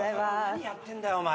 何やってんだよお前。